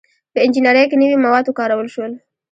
• په انجینرۍ کې نوي مواد وکارول شول.